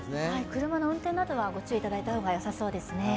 車の運転などは御注意いただいた方がよさそうですね。